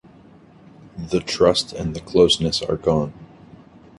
The trust and the closeness are gone.